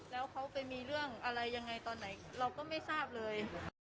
แล้วเขาไปมีเรื่องอะไรยังไงตอนไหนเราก็ไม่ทราบเลย